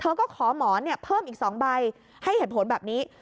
ก็ขอหมอนเพิ่มอีก๒ใบให้เหตุผลแบบนี้